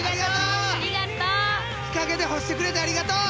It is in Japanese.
日陰で干してくれてありがとう！